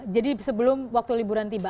jadi sebelum waktu liburan tiba